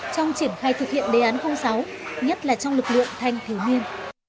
trong triển khai thực hiện đề án sáu nhất là trong lực lượng thanh thiếu niên